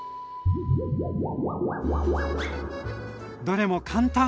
どれも簡単。